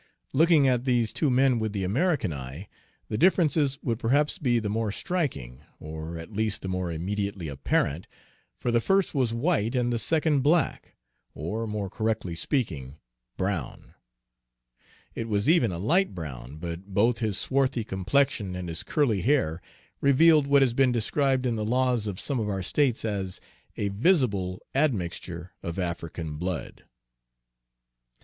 Looking at these two men with the American eye, the differences would perhaps be the more striking, or at least the more immediately apparent, for the first was white and the second black, or, more correctly speaking, brown; it was even a light brown, but both his swarthy complexion and his curly hair revealed what has been described in the laws of some of our states as a "visible admixture" of African blood.